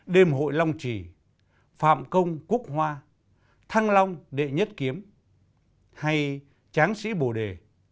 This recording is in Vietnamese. đêm hội long trì phạm công quốc hoa thăng long đệ nhất kiếm hay tráng sĩ bồ đề